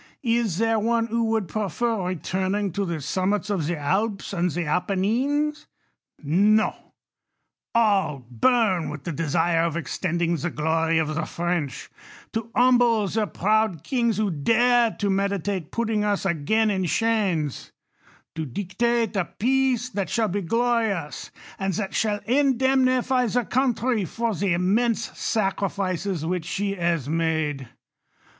Is there one who would prefer returning to the summits of the Alps and the Appenines ? No : all burn with J the desire of extending the glory of the French; to ' humble the proud kings who dare to meditate putting f us again in chains ; to dictate a peace that shall be glo rious, and that shall indemnify the country for the immense sacrifices which she has made.